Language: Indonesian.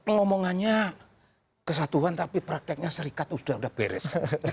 pemongannya kesatuan tapi prakteknya serikat sudah beres